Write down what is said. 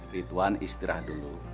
rituan istirahat dulu